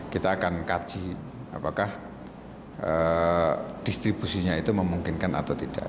kita akan kaji apakah distribusinya itu memungkinkan atau tidak